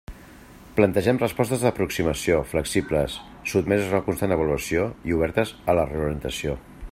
Plantegem respostes d'aproximació, flexibles, sotmeses a una constant avaluació i obertes a la reorientació.